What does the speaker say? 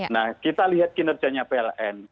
nah kita lihat kinerjanya pln